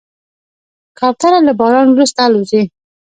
کوتره له باران وروسته الوزي.